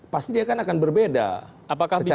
pasti dia akan berbeda